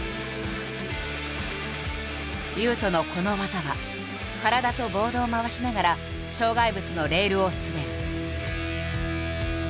雄斗のこの技は体とボードを回しながら障害物のレールを滑る。